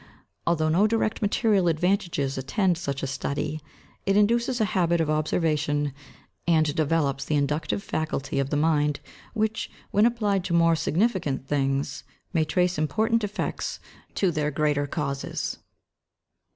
Although no direct material advantages attend such a study, it induces a habit of observation, and develops the inductive faculty of the mind, which, when applied to more significant things, may trace important effects to their greater causes.